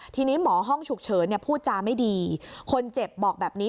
ทีนี้หมอห้องฉุกเฉินพูดจาไม่ดีคนเจ็บบอกแบบนี้